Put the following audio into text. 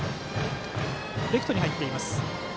レフトに入っています。